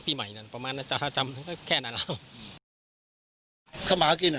ตรงว่าตรงนี้นะ